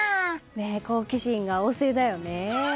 好奇心が旺盛だよね。